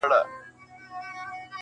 چي له ډېري خاموشۍ یې غوغا خېژې,